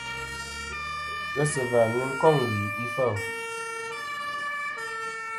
Ghesɨ̀và nɨn kôŋ wì ifêl.